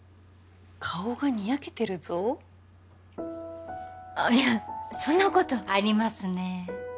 顔がニヤけてるぞいやそんなことありますねえ